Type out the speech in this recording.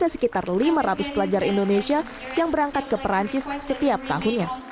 ada sekitar lima ratus pelajar indonesia yang berangkat ke perancis setiap tahunnya